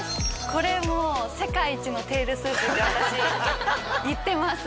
これもう世界一のテールスープって私言ってます